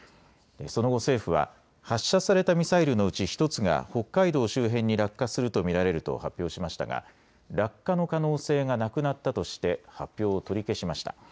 その後、政府は発射されたミサイルのうち１つが北海道周辺に落下すると見られると発表しましたが落下の可能性がなくなったとして発表を取り消しました。